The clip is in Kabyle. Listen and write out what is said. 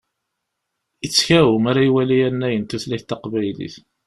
Ittkaw mi ara iwali annay n tutlayt taqbaylit.